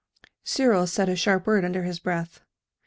Cyril said a sharp word under his breath.